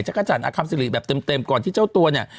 จักรจันทร์อคัมซิริแบบเต็มก่อนที่เจ้าตัวเนี่ย